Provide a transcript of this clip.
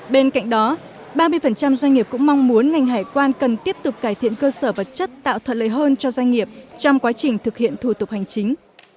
bên cạnh đó ba mươi doanh nghiệp cũng mong muốn ngành hải quan cần tiếp tục cải thiện cơ sở vật chất tạo thuận lợi hơn cho doanh nghiệp trong quá trình thực hiện thủ tục hành chính